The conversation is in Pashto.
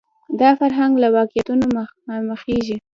دا فرهنګ له واقعیتونو مخامخېږي